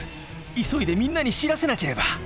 急いでみんなに知らせなければ！」。